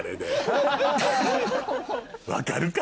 分かるか。